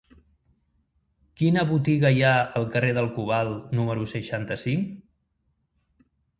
Quina botiga hi ha al carrer del Cobalt número seixanta-cinc?